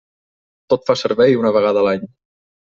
Tot fa servei una vegada a l'any.